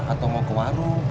atau mau ke warung